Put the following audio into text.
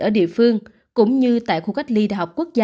ở địa phương cũng như tại khu cách ly đhq